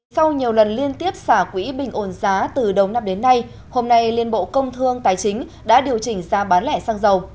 sau nhiều lần liên tiếp xả quỹ bình ổn giá từ đầu năm đến nay hôm nay liên bộ công thương tài chính đã điều chỉnh giá bán lẻ xăng dầu